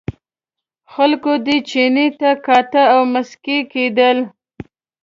خلکو دې چیني ته کاته او مسکي کېدل.